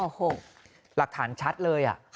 โอ้โหหลักฐานชัดเลย